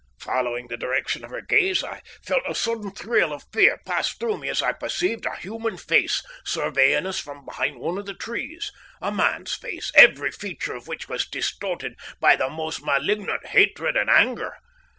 Following the direction of her gaze, I felt a sudden thrill of fear pass through me as I perceived a human face surveying us from behind one of the trees a man's face, every feature of which was distorted by the most malignant hatred and anger.